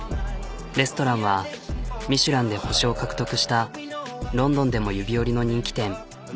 レストランはミシュランで星を獲得したロンドンでも指折りの人気店。